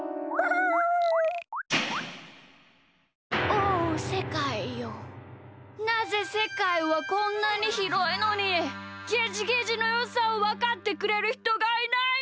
おおせかいよなぜせかいはこんなにひろいのにゲジゲジのよさをわかってくれるひとがいないのだ！